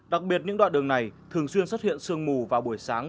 đặc biệt những đoạn đường này thường xuyên xuất hiện sương mù vào buổi sáng